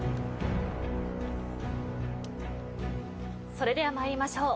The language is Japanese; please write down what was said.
それでは参りましょう。